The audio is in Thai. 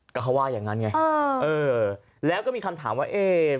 ก็เขาว่าอย่างนั้นไงเออเออแล้วก็มีคำถามว่าเอ๊ะ